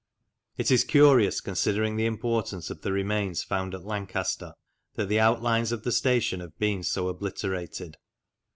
It is curious, considering the importance of the remains found at Lancaster, that the outlines of the station have been so obliterated.